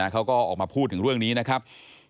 เขาก็ออกมาพูดถึงเรื่องนี้นะครับ